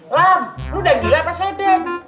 lam lo udah gila apa sedek